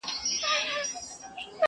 غر او سمه د سركښو اولسونو!!